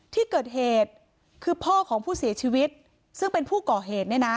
ที่เกิดเหตุคือพ่อของผู้เสียชีวิตซึ่งเป็นผู้ก่อเหตุเนี่ยนะ